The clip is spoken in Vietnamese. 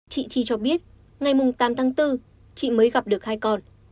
chị chi cho biết ngày tám tháng bốn chị mới gặp được hai con